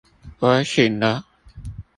我醒了